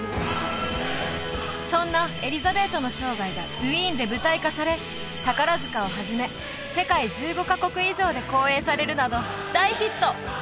そんなエリザベートの生涯がウィーンで舞台化され宝塚をはじめ世界１５カ国以上で公演されるなど大ヒット！